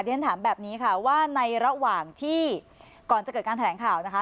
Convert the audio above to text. ฉันถามแบบนี้ค่ะว่าในระหว่างที่ก่อนจะเกิดการแถลงข่าวนะคะ